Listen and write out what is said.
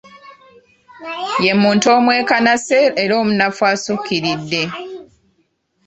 Ye muntu omwekanase era omunafu ekisukkiridde.